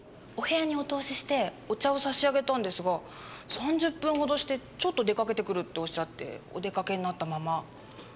お部屋にお通ししてお茶を差し上げたんですが３０分ほどしてちょっと出かけてくるっておっしゃってお出かけになったまま。